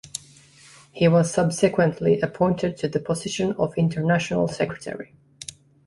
He was subsequently appointed to the position of International Secretary.